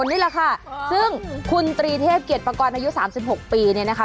นี่แหละค่ะซึ่งคุณตรีเทพเกียรติปกรณ์อายุ๓๖ปีเนี่ยนะคะ